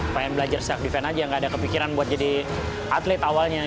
saya ingin belajar self defense saja tidak ada kepikiran untuk jadi atlet awalnya